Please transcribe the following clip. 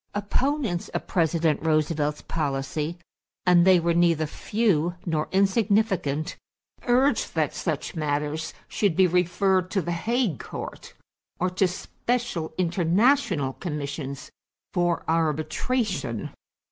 Opponents of President Roosevelt's policy, and they were neither few nor insignificant, urged that such matters should be referred to the Hague Court or to special international commissions for arbitration.